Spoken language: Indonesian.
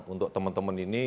untuk teman teman ini